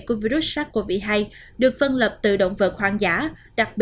của virus sars cov hai được phân lập từ động vật hoang dã